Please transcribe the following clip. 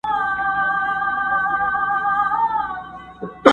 له پردي جنګه یې ساته زما د خاوري .